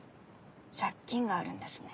借金があるんですね。